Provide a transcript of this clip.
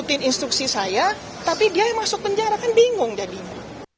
ikutin instruksi saya tapi dia yang masuk penjara kan bingung jadinya